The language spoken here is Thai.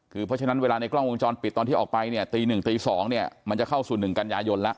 คือเพราะฉะนั้นเวลาในกล้องวงจรปิดตอนที่ออกไปเนี่ยตี๑ตี๒เนี่ยมันจะเข้าสู่๑กันยายนแล้ว